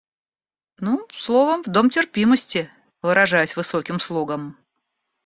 Ну, словом, в дом терпимости, выражаясь высоким слогом